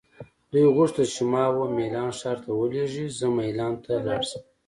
دوی غوښتل چې ما وه میلان ښار ته ولیږي، زه مېلان ته لاړ شم.